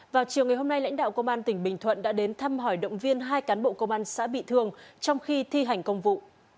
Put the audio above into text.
vào chiều ngày hôm nay lãnh đạo công an tỉnh bình thuận đã đến thăm hỏi động viên hai cán bộ công an xã bị thương trong khi thi hành công vụ